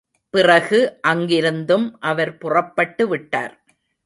பிறகு அங்கிருந்தும் அவர் புறப்பட்டு விட்டார்.